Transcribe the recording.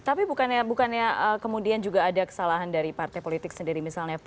tapi bukannya kemudian juga ada kesalahan dari partai politik sendiri misalnya